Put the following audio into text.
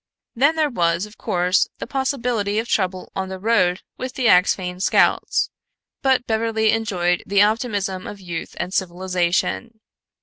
Then there was, of course, the possibility of trouble on the road with the Axphain scouts, but Beverly enjoyed the optimism of youth and civilization.